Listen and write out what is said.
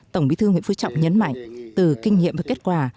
tổng bí thư nguyễn phú trọng nhấn mạnh từ kinh nghiệm và kết quả